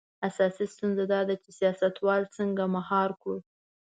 اساسي ستونزه دا ده چې سیاستوال څنګه مهار کړو.